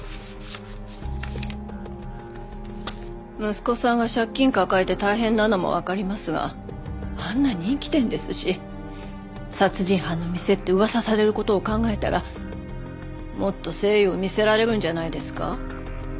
息子さんが借金抱えて大変なのもわかりますがあんな人気店ですし殺人犯の店って噂される事を考えたらもっと誠意を見せられるんじゃないですか？